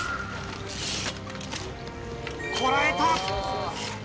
こらえた！